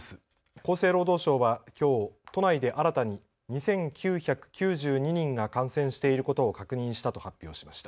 厚生労働省はきょう都内で新たに２９９２人が感染していることを確認したと発表しました。